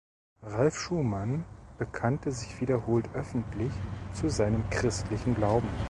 Ralf Schumann bekannte sich wiederholt öffentlich zu seinem christlichen Glauben.